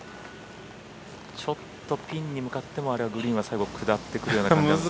ちょっとピンに向かってもあれはグリーン最後は下ってくるような感じですか。